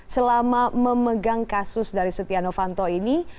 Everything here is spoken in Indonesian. selama memegang kasus dari setia novanto ini